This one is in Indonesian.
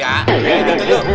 iya gitu tuh yuk